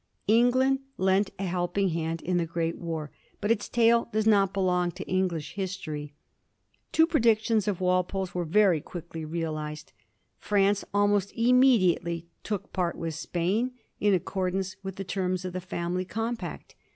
England lent a helping hand in the great war, but its tale does not belong to English history. Two pre dictions of Walpole's were very quickly realized. France almost immediately took part with Spain, in accordance with the terms of the Family Compact.